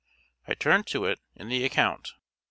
I turned to it in the account.